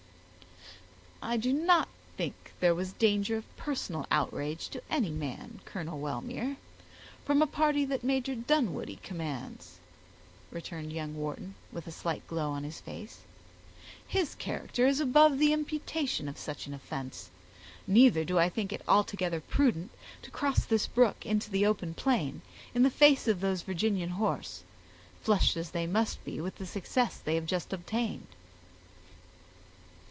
"I do not think there was danger of personal outrage to any man, Colonel Wellmere, from a party that Major Dunwoodie commands," returned young Wharton, with a slight glow on his face. "His character is above the imputation of such an offense; neither do I think it altogether prudent to cross this brook into the open plain, in the face of those Virginian horse, flushed as they must be with the success they have just obtained."